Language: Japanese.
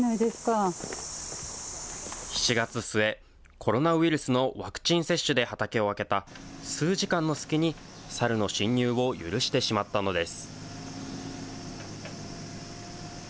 コロナウイルスのワクチン接種で畑を空けた数時間の隙に、サルの侵入を許してしまったのです。